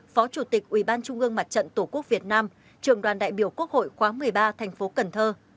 phó chủ tịch ủy ban trung ương mặt trận tổ quốc việt nam trường đoàn đại biểu quốc hội khóa một mươi ba thành phố cần thơ